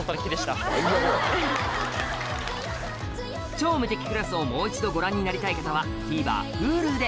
『超無敵クラス』をもう一度ご覧になりたい方はＴＶｅｒＨｕｌｕで